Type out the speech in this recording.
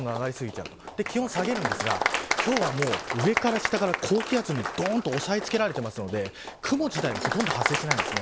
それで気温を下げるんですが今日は、上から下から高気圧に押さえ付けられてしまいますので雲自体もほとんど発生していないんです。